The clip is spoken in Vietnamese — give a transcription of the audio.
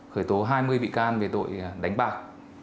khởi tố hai mươi bị can về tội đánh bạc